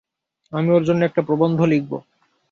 আমি ওর জন্য একটা প্রবন্ধ লিখব।